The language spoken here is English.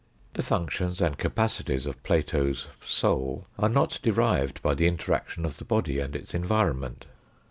The functions and capacities of Plato's " soul " are not derived by the interaction of the body and its environment.